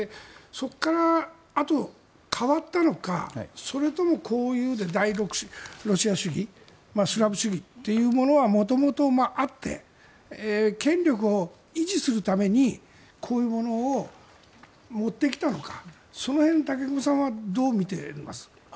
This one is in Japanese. そこからあと変わったのかそれとも、こういうので大ロシア主義スラブ主義というものは元々あって権力を維持するためにこういうものを持ってきたのかその辺、武隈さんはどう見ていますか。